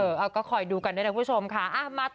เอาก็คอยดูกันด้วยนะคุณผู้ชมค่ะ